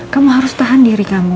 kamu harus tahan diri kamu